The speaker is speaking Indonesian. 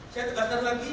saya tegaskan lagi